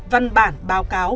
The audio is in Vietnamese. văn bản báo cáo